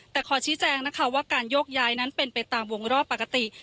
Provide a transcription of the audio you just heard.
แต่ขอชี้แจ้งว่าการโยกย้ายไปตามวงรอบปกติ